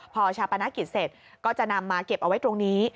พอชาปนกิจเสร็จก็จะนำมาเก็บเอาไว้ตรงนี้